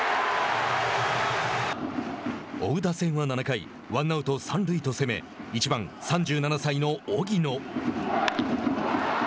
追う打線は７回ワンアウト、三塁と攻め１番、３７歳の荻野。